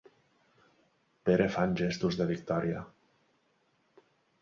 Pere fan gestos de victòria.